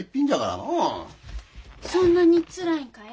そんなにつらいんかえ？